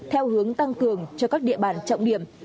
theo hướng tăng cường cho các địa bàn trọng điểm